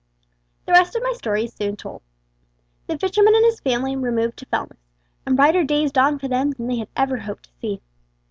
The rest of my story is soon told. The fisherman and his family removed to Fellness, and brighter days dawned for them than they had ever hoped to see.